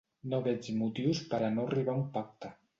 No veig motius per a no arribar a un pacte.